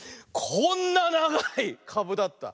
こんなながいかぶだった。ね。